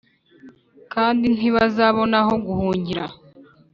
kandi ntibazabona aho guhungira,